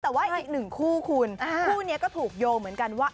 แต่ว่าอีกหนึ่งคู่คุณคู่นี้ก็ถูกโยงเหมือนกันว่า